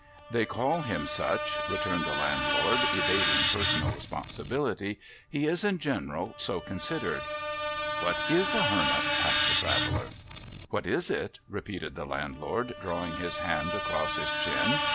' They call him such,' returned the Landlord, evading personal responsibility ;' he is in general so considered.' ' What is a Hermit ?' asked the Traveller. ' What is it ?' repeated the Landlord, drawing his hand across his chin.